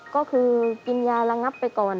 ก็คือกินยาระงับไปก่อน